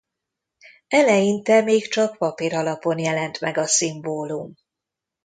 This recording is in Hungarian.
Eleinte még csak papír alapon jelent meg a szimbólum.